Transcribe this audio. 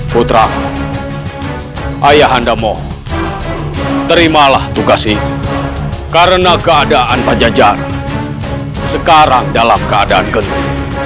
putra ayah anda mau terimalah tugas ini karena keadaan panjajar sekarang dalam keadaan gendut